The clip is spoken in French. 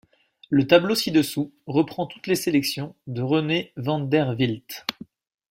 Le tableau ci-dessous reprend toutes les sélections de René Vanderwilt.